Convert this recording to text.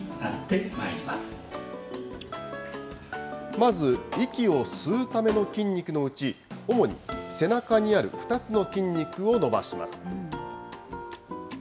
まず息を吸うための筋肉のうち、主に背中にある２つの筋肉を伸ばします。